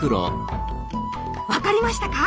分かりましたか？